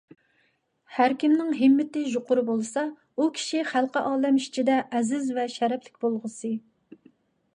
ھەر كىمنىڭ ھىممىتى يۇقىرى بولسا، ئۇ كىشى خەلقى ئالەم ئىچىدە ئەزىز ۋە شەرەپلىك بولغۇسى.